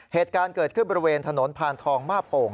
เหตุการณ์เกิดขึ้นบริเวณถนนพานทองมาโป่ง